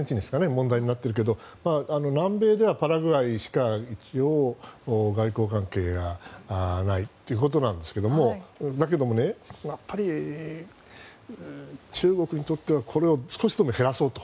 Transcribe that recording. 問題になっていますが南米ではパラグアイしか外交関係がないということなんですがだけどもやっぱり中国にとってはこれを少しでも減らそうと。